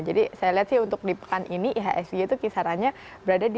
jadi saya lihat sih untuk di pekan ini ihsg itu kisarannya berada di